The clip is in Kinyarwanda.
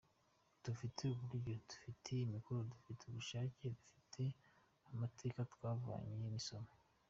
Dufite uburyo, dufite amikoro, dufite ubushake, dufite n’amateka twavanyemo isomo.